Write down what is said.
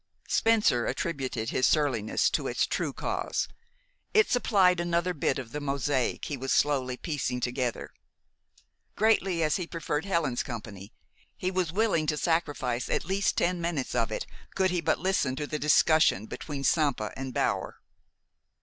Spencer attributed his surliness to its true cause. It supplied another bit of the mosaic he was slowly piecing together. Greatly as he preferred Helen's company, he was willing to sacrifice at least ten minutes of it, could he but listen to the "discussion" between Stampa and Bower.